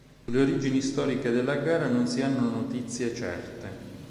Sulle origini storiche della gara non si hanno notizie certe.